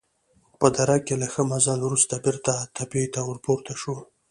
په دره کې له ښه مزل وروسته بېرته تپې ته ورپورته شوو.